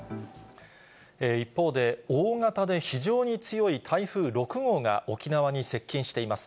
一方で、大型で非常に強い台風６号が沖縄に接近しています。